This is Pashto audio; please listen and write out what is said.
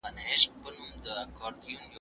زه پرون پلان جوړوم وم؟